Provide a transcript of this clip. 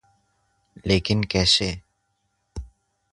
لیکن کیسے؟